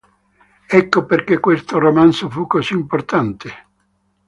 Ecco perché questo romanzo fu così importante.